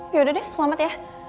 ya udah deh selamat ya